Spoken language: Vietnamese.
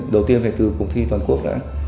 đầu tiên phải từ cuộc thi toàn quốc đã